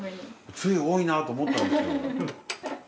つゆ多いなと思ったんですよ。